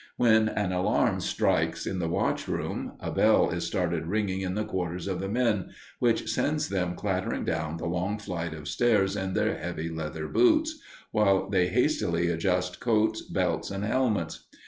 When an alarm strikes in the "watch room," a bell is started ringing in the quarters of the men, which sends them clattering down the long flight of stairs in their heavy leather boots, while they hastily adjust coats, belts, and helmets.